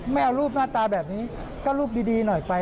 ไม่เอารูปหน้าตาแบบนี้ก็รูปดีหน่อยไป